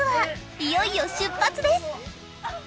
いよいよ出発です！